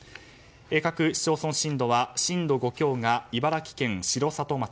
各市町村震度は、震度５強が茨城県城里町。